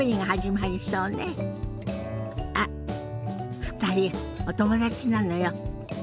あっ２人お友達なのよ。